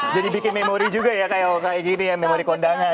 jadi bikin memori juga ya kayak gini ya memori kondangan